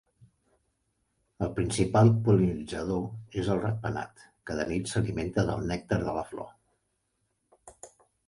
El principal pol·linitzador és el ratpenat, que de nit s'alimenta del nèctar de la flor.